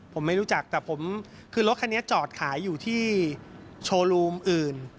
ผมไม่รู้จักแต่ผมคือรถคันนี้จอดขายอยู่ที่โชว์รูมอื่น